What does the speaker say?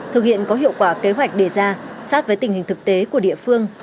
thực hiện có hiệu quả kế hoạch đề ra sát với tình hình thực tế của địa phương